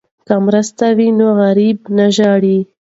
که مرسته وي نو غریب نه ژاړي.